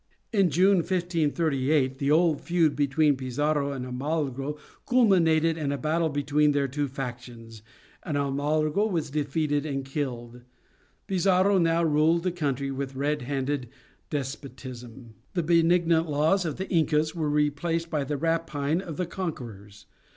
In June, 1538, the old feud between Pizarro and Almagro culminated in a battle between their two factions, and Almagro was defeated and killed. Pizarro now ruled the country with red handed despotism. The benignant laws of the Incas were replaced by the rapine of the conquerors.